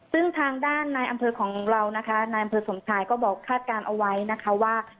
ซึ่งทางด้านนายอำเภอของเรานะคะนายอำเภอสมชายก็บอกคาดการณ์เอาไว้นะคะว่า